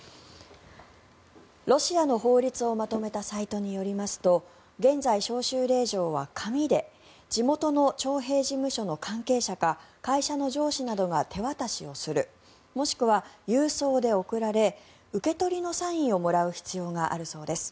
ロシアの法律をまとめたサイトによりますと現在、招集令状は紙で地元の徴兵事務所の関係者か会社の上司などが手渡しをするもしくは郵送で送られ受け取りのサインをもらう必要があるそうです。